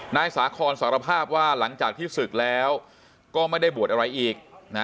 นายสาคอนสารภาพว่าหลังจากที่ศึกแล้วก็ไม่ได้บวชอะไรอีก